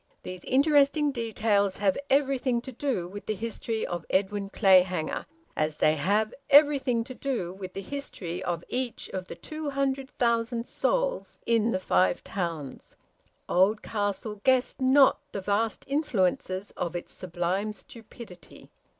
These interesting details have everything to do with the history of Edwin Clayhanger, as they have everything to do with the history of each of the two hundred thousand souls in the Five Towns. Oldcastle guessed not the vast influences of its sublime stupidity.